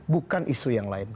bukan isu yang lain